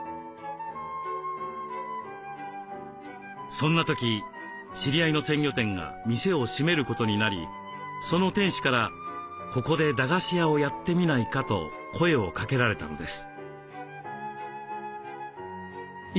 そんな時知り合いの鮮魚店が店を閉めることになりその店主から「ここで駄菓子屋をやってみないか」と声をかけられたのです。